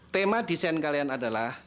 tema desain kalian adalah